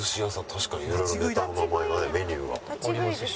確かにいろいろネタの名前はねメニューは。ありますし。